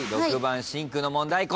６番シンクの問題